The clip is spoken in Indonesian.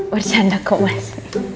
berjanda kok mas